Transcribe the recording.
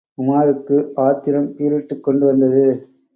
உமாருக்கு ஆத்திரம் பீறிட்டுக் கொண்டு வந்தது.